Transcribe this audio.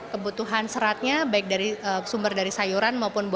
kebutuhan seratnya baik dari sumber dari sayuran maupun buah buahan terpenuhi